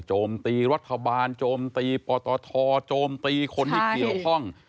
โจมตีรัฐบาลโจมตีปตทโจมตีคนที่เกี่ยวข้อง